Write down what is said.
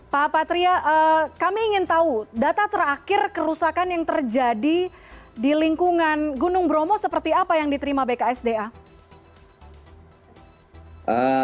pak patria kami ingin tahu data terakhir kerusakan yang terjadi di lingkungan gunung bromo seperti apa yang diterima bksda